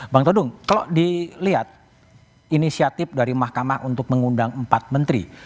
bang todung kalau dilihat inisiatif dari mahkamah untuk mengundang empat menteri